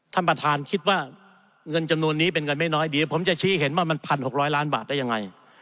ท่านประธานคิดว่าเงินจำนวนนี้เป็นเงินไม่น้อยเดี๋ยวผมจะชี้เห็นว่ามัน๑๖๐๐ล้านบาทได้ยังไง